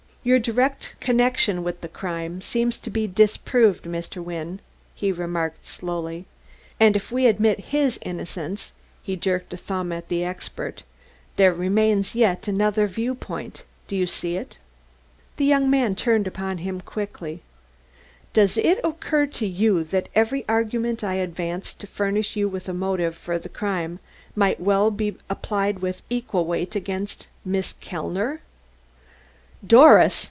"Your direct connection with the crime seems to be disproved, Mr. Wynne," he remarked slowly; "and if we admit his innocence," he jerked a thumb at the expert, "there remains yet another view point. Do you see it?" The young man turned upon him quickly. "Does it occur to you that every argument I advanced to furnish you with a motive for the crime might be applied with equal weight against against Miss Kellner?" "Doris!"